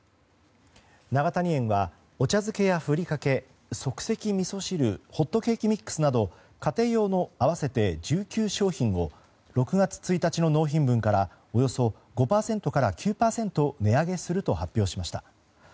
永谷園はお茶漬けやふりかけ、即席みそ汁ホットケーキミックスなど家庭用の合わせて１９商品を６月１日の納品分からおよそ５％から９％値上げすると発表しました。